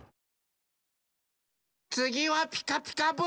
つぎは「ピカピカブ！」ですよ！